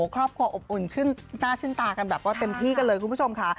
ครอบครัวอบอุ่นหน้าชื่นตากันแบบว่าเต็มที่กันเลยคุณผู้ชมค่ะ